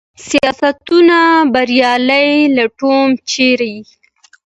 سیاستونه بریالي لټوم ، چېرې ؟